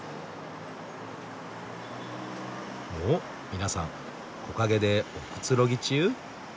お皆さん木陰でおくつろぎ中。